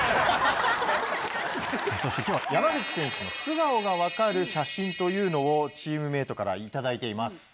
そして今日は山口選手の素顔が分かる写真というのをチームメートから頂いています。